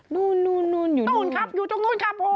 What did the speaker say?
นู่นอยู่นู่นครับอยู่ตรงนู้นครับผม